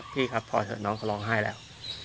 พี่ครับพอเถอะน้องก็ร้องไห้แล้ว